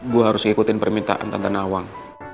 gue harus ikutin permintaan tante nawang